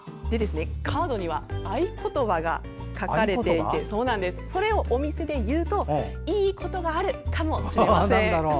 カードには合言葉が書かれていてそれをお店で言うといいことがあるかもしれません。